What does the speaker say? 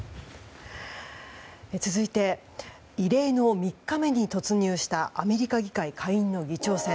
続いて異例の３日目に突入したアメリカ議会下院の議長選。